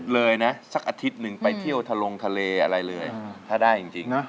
เลยนะสักอาทิตย์หนึ่งไปเที่ยวทะลงทะเลอะไรเลยถ้าได้จริง